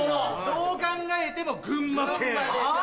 どう考えても群馬県。